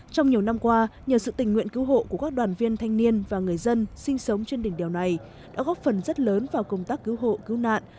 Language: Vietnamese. trong nhiều năm qua nhờ sự tình nguyện cứu hộ của các đoàn viên thanh niên và người dân sinh sống trên đỉnh đèo này đã góp phần rất lớn vào công tác cứu hộ cứu nạn